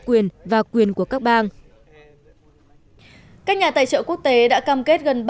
quyền và quyền của các bang các nhà tài trợ quốc tế đã cam kết gần ba trăm bốn mươi năm